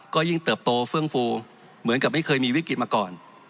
ก็ยิ่งเติบโตเฟื่องฟูเหมือนกับไม่เคยมีวิกฤตมาก่อน